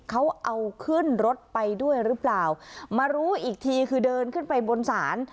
เขาเอาขึ้นรถไปด้วยหรือเปล่ามารู้อีกทีคือเดินขึ้นไปบนศาล